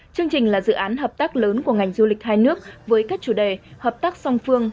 chương trình là dự án hợp tác lớn của ngành du lịch hai nước với các chủ đề hợp tác song phương